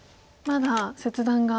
まだ切断が。